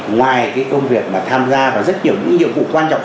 ngoài công việc tham gia vào rất nhiều nhiệm vụ quan trọng